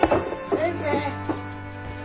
先生？